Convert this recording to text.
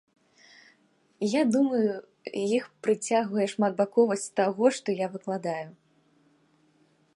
Я думаю, іх прыцягвае шматбаковасць таго, што я выкладаю.